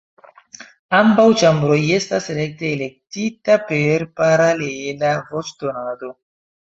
Ambaŭ ĉambroj estas rekte elektita per paralela voĉdonado.